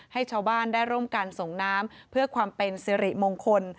ให้ชาวบ้านได้ร่วมกันส่งน้ำเพื่อความเป็นสิริมงคล